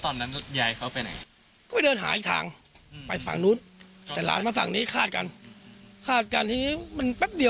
ตอนนั้นติดยายเขาไปไหนก็ไปเจินหาที่ทางไปฝั่งนู้นแต่